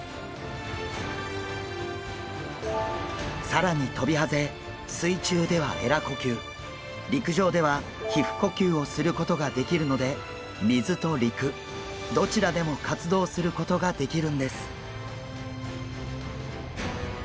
更にトビハゼ水中ではえら呼吸陸上では皮ふ呼吸をすることができるので水と陸どちらでも活動することができるんです。